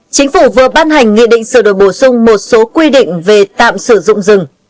chính phủ vừa ban hành nghị định sửa đổi bổ sung một số quy định về tạm sử dụng rừng